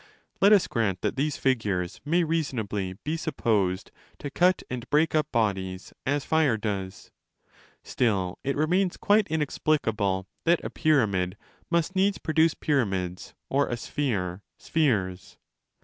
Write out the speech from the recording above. Let us grant that these figures may reasonably be supposed to cut and break up bodies as fire does ; still it remains quite inexplicable that a pyramid must needs produce pyramids or a sphere spheres.